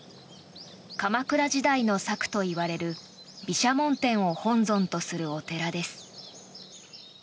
鎌倉時代の柵といわれる毘沙門天を本尊とするお寺です。